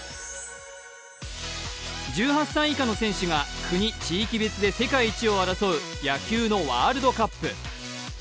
１８歳以下の選手が国・地域別で世界一を争う野球のワールドカップ。